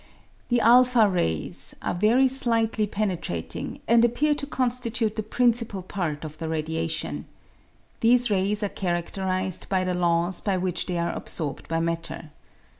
The a rays are very slightly penetrating, and appear to constitute the principal part of the radiation. These rays are charadterised by the laws by which they are absorbed by matter.